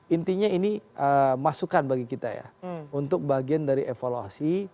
intinya ini masukan bagi kita ya untuk bagian dari evaluasi